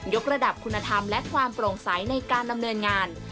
กระดับคุณธรรมและความโปร่งใสในการดำเนินงาน